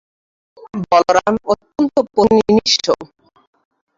বলরাম অত্যন্ত পত্নীনিষ্ঠ।